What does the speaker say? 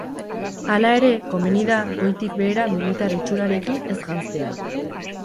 Halere, komeni da goitik behera militar itxurarekin ez janztea.